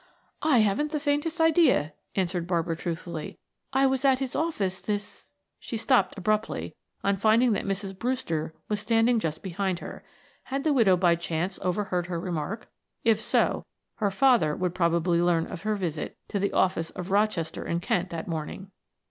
"I haven't the faintest idea," answered Barbara truthfully. "I was at his office this " she stopped abruptly on finding that Mrs. Brewster was standing just behind her. Had the widow by chance overheard her remark? If so, her father would probably learn of her visit to the office of Rochester and Kent that morning.